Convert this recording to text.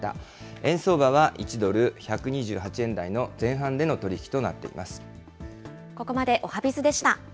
円相場は１ドル１２８円台の前半での取り引きとなっています。